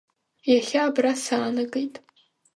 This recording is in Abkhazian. Иахьа абра саанагет.